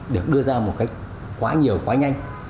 được đưa ra một cách quá nhiều quá nhanh